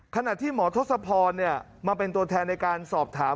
ขณะที่หมอทศพรมาเป็นตัวแทนในการสอบถาม